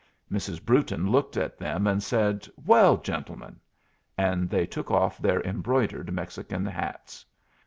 Mrs. Brewton looked at them and said, "Well, gentlemen?" and they took off their embroidered Mexican hats.